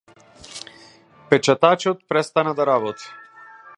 Печатачот престана да работи.